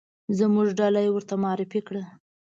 زموږ ډله یې ورته معرفي کړه.